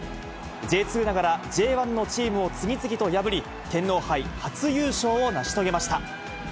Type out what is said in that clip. Ｊ２ながらＪ１のチームを次々と破り、天皇杯初優勝を成し遂げました。